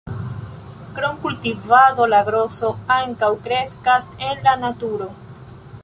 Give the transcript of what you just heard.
Krom kultivado la groso ankaŭ kreskas en la naturo.